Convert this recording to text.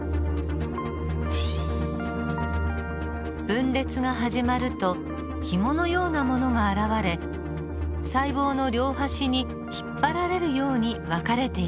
分裂が始まるとひものようなものが現れ細胞の両端に引っ張られるように分かれていきます。